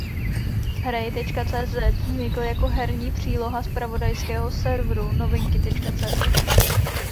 Hrej.cz vznikl jako herní příloha zpravodajského serveru Novinky.cz.